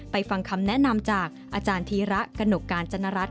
ฟังคำแนะนำจากอาจารย์ธีระกนกการจนรัฐ